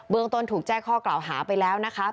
เบื้องตนถูกแจ้ข้อกล่าวหาไปแล้วนะครับ